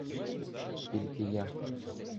— Тільки я.